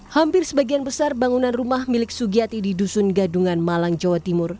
hampir sebagian besar bangunan rumah milik sugiyati di dusun gadungan malang jawa timur